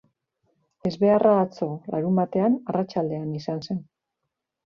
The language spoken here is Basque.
Ezbeharra atzo, larunbatean, arratsaldean izan zen.